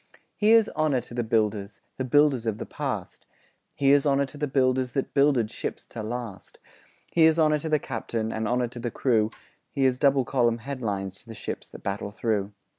Here's honour to the builders – The builders of the past; Here's honour to the builders That builded ships to last; Here's honour to the captain, And honour to the crew; Here's double column headlines To the ships that battle through.